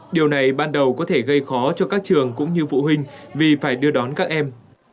điều này ban đầu có thể gây khó cho các trường cũng như phụ huynh vì phải đưa đón các em